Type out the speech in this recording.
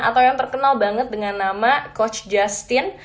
atau yang terkenal banget dengan nama coach justin